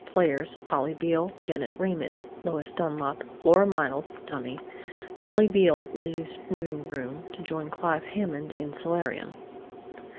Players: Polly Beale, Janet Raymond, Lois Dunlap, Flora Miles (dummy). Polly Beale leaves living room to join Clive Hammond in solarium.